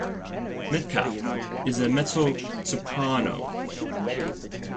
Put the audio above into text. Medcalf is a mezzo-soprano.